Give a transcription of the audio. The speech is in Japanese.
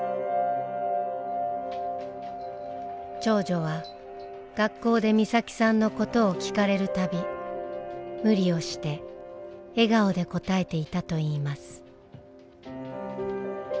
長女は学校で美咲さんのことを聞かれるたび無理をして笑顔で応えていたといいます。